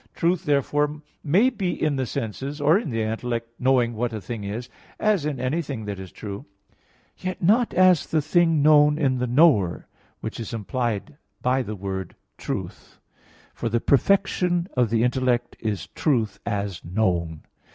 Truth therefore may be in the senses, or in the intellect knowing "what a thing is," as in anything that is true; yet not as the thing known in the knower, which is implied by the word "truth"; for the perfection of the intellect is truth as known.